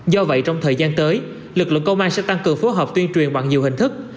do vậy trong thời gian tới lực lượng công an sẽ tăng cường phối hợp tuyên truyền bằng nhiều hình thức